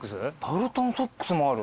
ダルトンソックスもある。